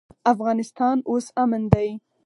افغانستان اوس امن دی.